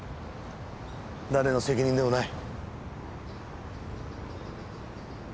誰の責任でもない。